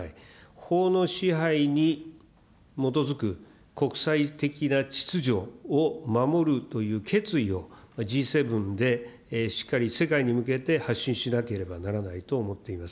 法の支配に基づく国際的な秩序を守るという決意を、Ｇ７でしっかり世界に向けて発信しなければならないと思っています。